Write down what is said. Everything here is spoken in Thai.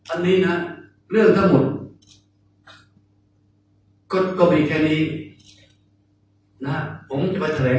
อันนี้นะเรื่องทั้งหมดก็ก็ไปแค่นี้นะครับ